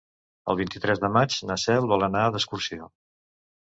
El vint-i-tres de maig na Cel vol anar d'excursió.